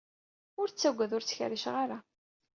Ur ttaggad, ur ttkerriceɣ ara.